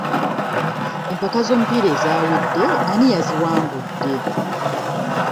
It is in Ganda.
Empaka z'omupiira ezaawedde ani yaziwangudde?